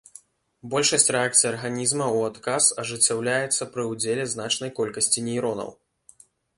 Большасць рэакцый арганізма ў адказ ажыццяўляецца пры ўдзеле значнай колькасці нейронаў.